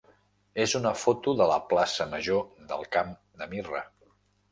és una foto de la plaça major del Camp de Mirra.